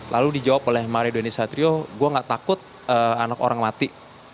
lalu dijawab oleh mario doni satrio gue gak takut anak orang mati